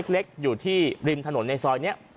เล็กอยู่ที่ริมถนนในซอยนี้